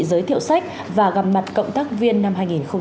giới thiệu sách và gặp mặt cộng tác viên năm hai nghìn một mươi chín